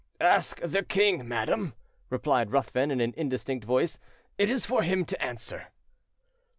"Ask the king, madam," replied Ruthven in an indistinct voice. "It is for him to answer."